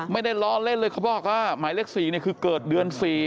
ล้อเล่นเลยเขาบอกว่าหมายเลข๔คือเกิดเดือน๔